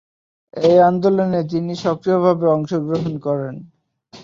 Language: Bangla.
এই আন্দোলনে তিনি সক্রিয়ভাবে অংশগ্রহণ করেন।